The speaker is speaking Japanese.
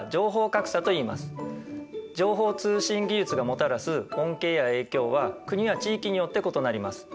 情報通信技術がもたらす恩恵や影響は国や地域によって異なります。